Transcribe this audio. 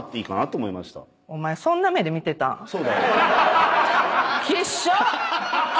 そうだよ。